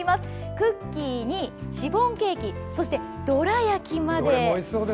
クッキーにシフォンケーキどら焼きまで。